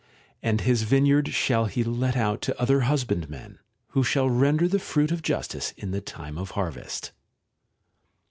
And his vineyard shall he let out to other husbandmen, who shall render the fruit of justice in the time of harvest.